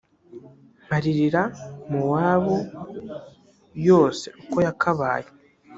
nkaririra mowabu yose uko yakabaye